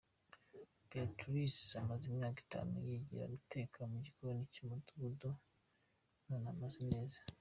Beatrice yamaze imyaka itanu yigira guteka mu gikoni cy’umudugudu none ameze neza.